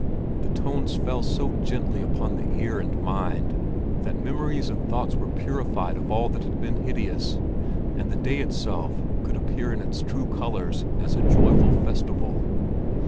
The tones fell so gently upon the ear and mind that memories and thoughts were purified of all that had been hideous, and the day itself could appear in its true colors as a joyful festival.